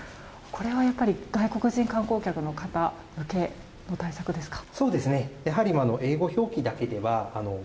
これは、やっぱり外国人観光客の方向けの対策ですか。